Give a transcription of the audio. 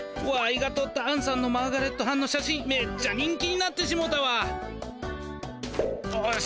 わいがとったあんさんのマーガレットはんの写真めっちゃ人気になってしもうたわ。